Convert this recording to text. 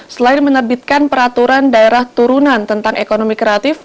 selain menerbitkan peraturan daerah turunan tentang ekonomi kreatif